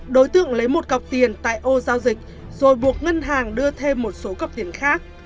đối tượng lấy một cọc tiền tại ô giao dịch rồi buộc ngân hàng đưa thêm một số cọc tiền khác